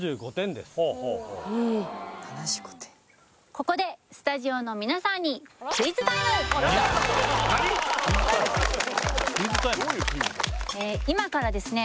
ここでスタジオの皆さんにクイズタイム今からですね